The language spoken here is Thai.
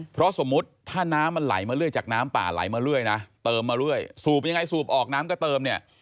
เพราะสมมุติถ้าน้ำมันไหลมาเรื่อยจากน้ำป่าไหลมาเรื่อยนะเติมมาเรื่อยสูบยังไงสูบออกน้ำก็เติมเนี่ย